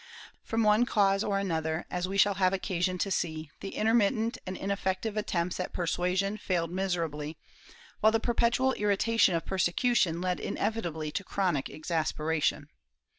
From one cause or another, as we shall have occasion to see, the intermittent and ineffective attempts at persuasion failed miserably, while the perpetual irritation of persecution led inevitably to chronic exasperation.